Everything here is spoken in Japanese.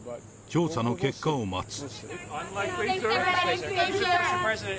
調査の結果を待つ。